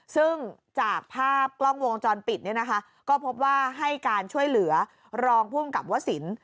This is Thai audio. ซึ่งจากภาพกล้องวงจรปิดเนี่ยนะคะก็พบว่าให้การช่วยเหลือรองภูมิกับวสิน